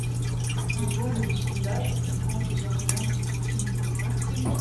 Le bourg de ce village comprend plusieurs commerces de proximité.